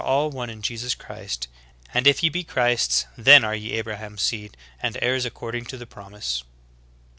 all one in Jesus Christ. And if ye be Christ's then are ye Abraham's seed, and heirs according to the promise."